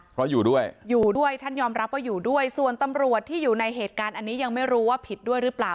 เพราะอยู่ด้วยอยู่ด้วยท่านยอมรับว่าอยู่ด้วยส่วนตำรวจที่อยู่ในเหตุการณ์อันนี้ยังไม่รู้ว่าผิดด้วยหรือเปล่า